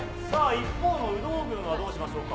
一方の有働軍はどうしましょうか。